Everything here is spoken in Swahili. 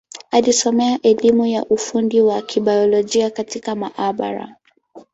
Alisomea elimu ya ufundi wa Kibiolojia katika maabara.